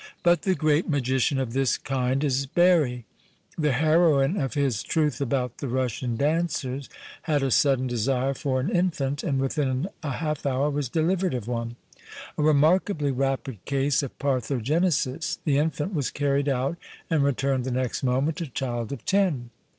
But the great magician of this kind is Barric. The heroine of his Truth about the Russian Dancers had a sudden desire for an infant, and within a half hour was delivered of one ; a re markably rapid case of parthenogenesis. The infant was carried out and returned the next moment a child of ten.